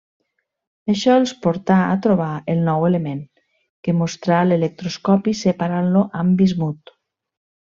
Això els portà a trobar el nou element, que mostrà l'electroscopi separant-lo amb bismut.